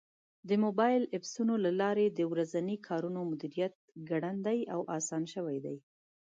د موبایل ایپسونو له لارې د ورځني کارونو مدیریت ګړندی او اسان شوی دی.